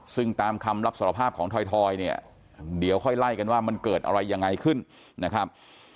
ซึ่งตามคำรับสารภาพของถอยเนี่ยเดี๋ยวค่อยไล่กันว่ามันเกิดอะไรยังไงขึ้นนะครับ